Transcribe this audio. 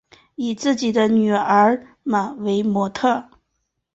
以自己女儿们为模特儿